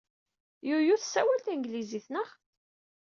Yoko tessawal tanglizit, naɣ?